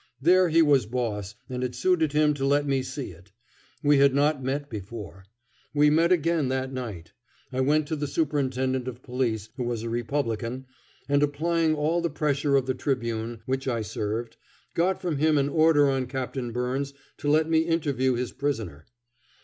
There he was boss and it suited him to let me see it. We had not met before. But we met again that night. I went to the Superintendent of Police, who was a Republican, and, applying all the pressure of the Tribune, which I served, got from him an order on Captain Byrnes to let me interview his prisoner.